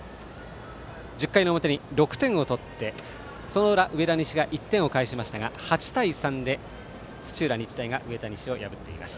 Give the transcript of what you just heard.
１０回の表に６点を取ってその裏、上田西が１点を返しましたが８対３で土浦日大が上田西を破っています。